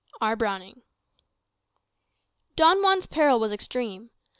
R. Browning Don Juan's peril was extreme.